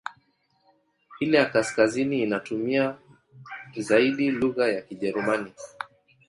Ile ya kaskazini inatumia zaidi lugha ya Kijerumani.